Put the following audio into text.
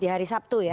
di hari sabtu ya